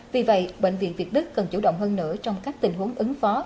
vì vậy bệnh viện việt đức cần chủ động hơn nữa trong các tình huống ứng phó